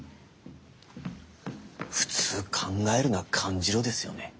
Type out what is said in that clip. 普通「考えるな感じろ」ですよね？